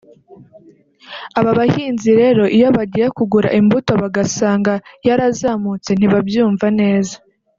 aba bahinzi rero iyo bagiye kugura imbuto bagasanga yarazamutse ntibabyumva neza